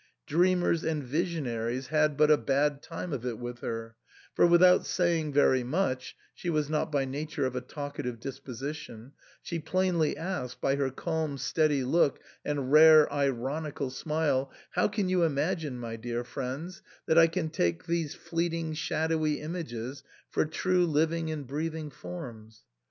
Dreamers and visionaries had but a bad time of it with her ; for without saying very much — she was not by nature of a talkative dis position — she plainly asked, by her calm steady look, and rare ironical smile, "How can you imagine, my dear friends, that I can take these fleeting shadowy images for true living and breathing forms?"